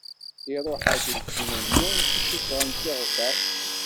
Iṛuḥ-ak lkil-nni i k-issufɣen s iɣzeṛ.